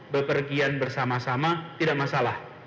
bepergian bersama sama tidak masalah